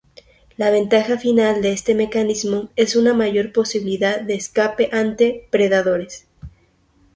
La ventaja final de este mecanismo es una mayor posibilidad de escape ante predadores.